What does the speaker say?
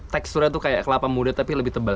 teksturnya seperti kelapa muda tapi lebih tebal